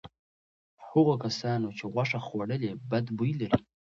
هغو کسانو چې غوښه خوړلې بد بوی لري.